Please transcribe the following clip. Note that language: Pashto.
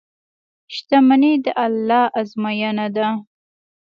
• شتمني د الله ازموینه ده.